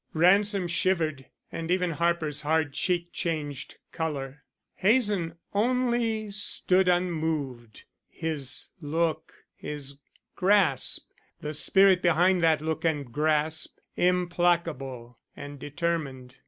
Ransom shivered and even Harper's hard cheek changed color. Hazen only stood unmoved, his look, his grasp, the spirit behind that look and grasp, implacable and determined.